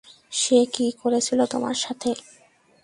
সে কী করেছিল তোমার সাথে?